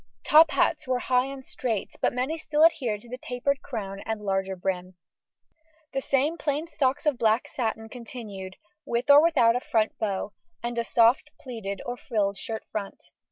Top hats were high and straight, but many still adhered to the tapered crown and larger brim. The same plain stocks of black satin continued, with or without a front bow, and a soft pleated or frilled shirt front.